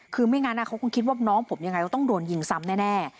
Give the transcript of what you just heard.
คือไม่งั้นเขาคงคิดว่าน้องผมยังไงก็ต้องโดนยิงซ้ำแน่